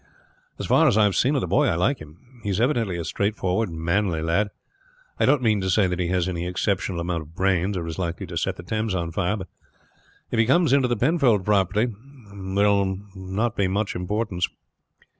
"As far as I have seen of the boy I like him. He is evidently a straightforward, manly lad. I don't mean to say that he has any exceptional amount of brains, or is likely to set the Thames on fire; but if he comes into the Penfold property that will not be of much importance.